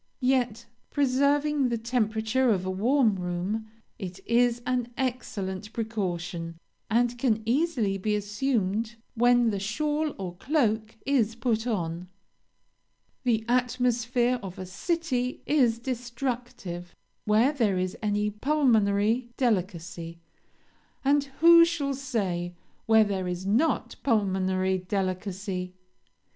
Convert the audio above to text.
Yet, preserving the temperature of a warm room, it is an excellent precaution, and can easily be assumed when the shawl or cloak is put on. The atmosphere of a city is destructive where there is any pulmonary delicacy, and who shall say, where there is not pulmonary delicacy?